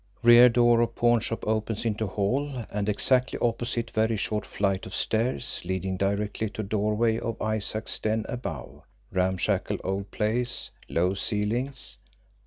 "Rear door of pawnshop opens into hall, and exactly opposite very short flight of stairs leading directly to doorway of Isaac's den above. Ramshackle old place, low ceilings.